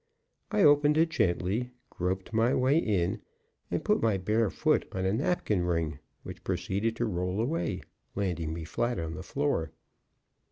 I opened it gently, groped my way in, and put my bare foot on a napkin ring, which proceeded to roll away, landing me flat on the floor.